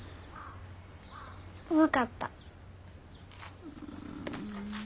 分かった。